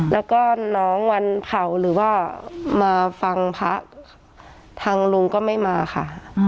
แล้วก็น้องวันเผาหรือว่ามาฟังพระทางลุงก็ไม่มาค่ะ